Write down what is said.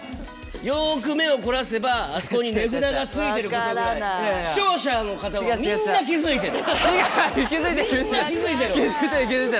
よく目を凝らせばあそこに値札がついていることぐらいみんな気づいてる。